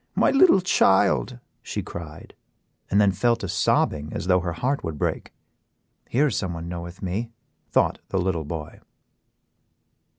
"My little child," she cried, and then fell to sobbing as though her heart would break. "Here is someone knoweth me," thought the little boy.